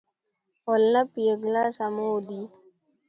Olna pi e gilas amodhi.